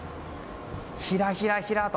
ひらひらひらと。